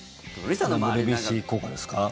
ＷＢＣ効果ですか？